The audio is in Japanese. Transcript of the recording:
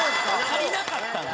足りなかったんだ。